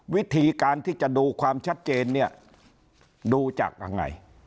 วิธีการที่จะดูความชัดเจนเนี่ยดูจากยังไง